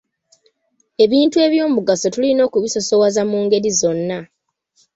Ebintu eby’omugaso tulina okubisoosowaza mu ngeri zonna.